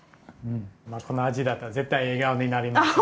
この味だと絶対笑顔になります。